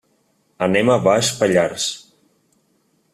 Anem a Baix Pallars.